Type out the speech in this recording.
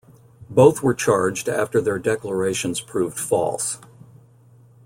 Both were charged after their declarations proved false.